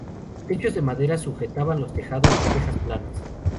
Techos de madera sujetaban los tejados, de tejas planas.